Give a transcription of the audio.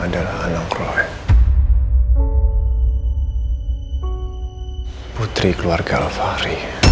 dia penguat bapak